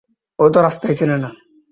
ও তো রাস্তাই চেনে না।